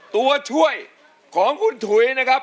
ตัวช่วยของคุณถุยนะครับ